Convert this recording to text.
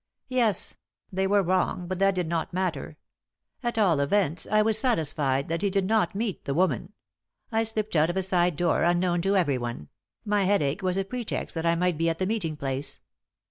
"Yes; they were wrong, but that did not matter. At all events, I was satisfied that he did not meet the woman. I slipped out of a side door unknown to everyone; my headache was a pretext that I might be at the meeting place.